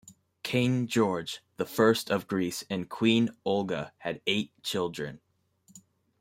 King George the First of Greece and Queen Olga had eight children.